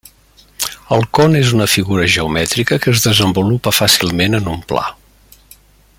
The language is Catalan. El con és una figura geomètrica que es desenvolupa fàcilment en un pla.